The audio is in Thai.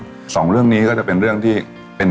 ส่วนความเพียงเราก็ถูกพูดอยู่ตลอดเวลาในเรื่องของความพอเพียง